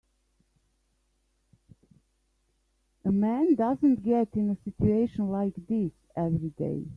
A man doesn't get in a situation like this every day.